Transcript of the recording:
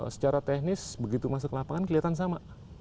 secara teknis begitu masuk lapangan kelihatan sama